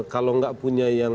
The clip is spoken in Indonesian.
kalau nggak punya yang